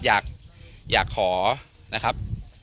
อยากขอนะครับ